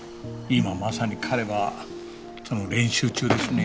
今まさに彼はその練習中ですね。